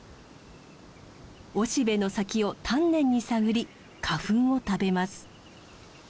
雄しべの先を丹念に探り花粉を食べます。